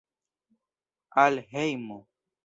Al hejmo!